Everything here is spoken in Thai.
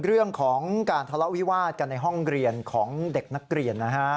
เรื่องของการทะเลาะวิวาดกันในห้องเรียนของเด็กนักเรียนนะฮะ